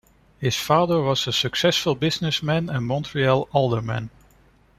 His father was a successful businessman and Montreal alderman.